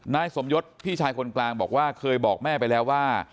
นายสมยศพี่ชายคนกลางบอกว่าเคยบอกแม่ไปแล้วว่า